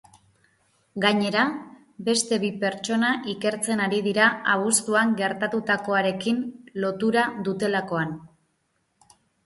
Gainera, beste bi pertsona ikertzen ari dira abuztuan gertatutakoarekin lotura dutelakoan.